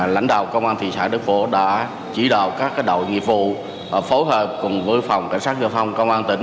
lãnh đạo công an thị xã đức phổ đã chỉ đạo các đội nghiệp vụ phối hợp cùng với phòng cảnh sát giao thông công an tỉnh